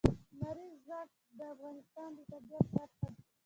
لمریز ځواک د افغانستان د طبیعت برخه ده.